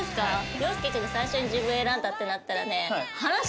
陽介君が最初に自分を選んだってなったらね。